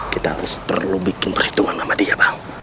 kita harus perlu bikin perhitungan sama dia bang